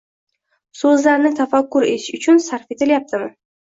So’zlarni tafakkur etish uchun sarf etilayptimi?